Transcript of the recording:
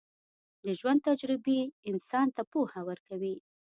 د ژوند تجربې انسان ته پوهه ورکوي.